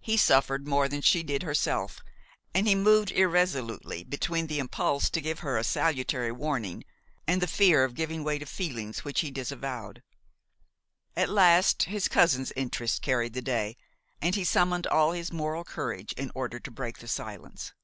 He suffered more than she did herself, and he moved irresolutely between the impulse to give her a salutary warning and the fear of giving way to feelings which he disavowed; at last his cousin's interest carried the day, and he summoned all his moral courage in order to break the silence.